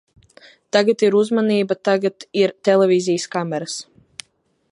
Tagad ir uzmanība, tagad ir televīzijas kameras.